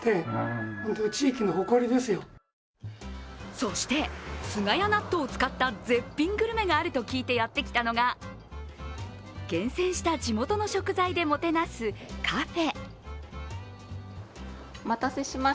そして菅谷納豆を使った絶品グルメがあると聞いてやってきたのが厳選した地元の食材でもてなすカフェ。